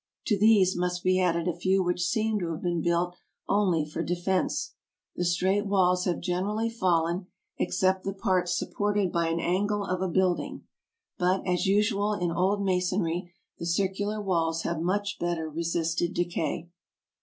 To these must be added a few which seem to have been built only for de fense. The straight walls have generally fallen, except the parts supported by an angle of a building; but, as usual in old masonry, the circular walls have much better resisted decay.